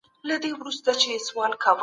موږ باید د خپلي ژبې خدمت وکړو.